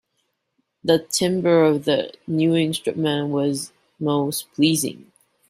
The timbre of the new instrument was most pleasing.